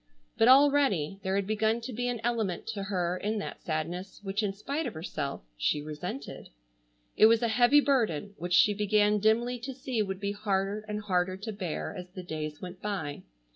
But already, there had begun to be an element to her in that sadness which in spite of herself she resented. It was a heavy burden which she began dimly to see would be harder and harder to bear as the days went by.